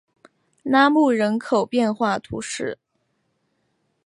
拉穆人口变化图示